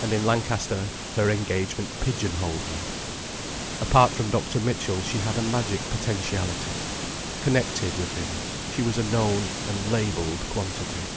And in Lancaster her engagement pigeonholed her. Apart from Dr. Mitchell she had a magic potentiality. Connected with him, she was a known and labelled quantity.